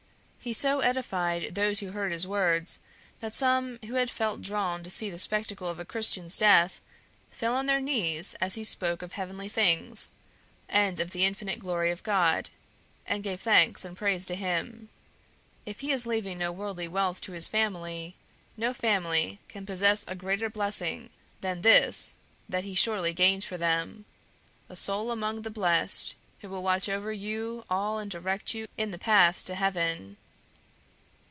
He so edified those who heard his words that some who had felt drawn to see the spectacle of a Christian's death fell on their knees as he spoke of heavenly things, and of the infinite glory of God, and gave thanks and praise to Him. If he is leaving no worldly wealth to his family, no family can possess a greater blessing than this that he surely gained for them, a soul among the blessed, who will watch over you all and direct you in the path to heaven."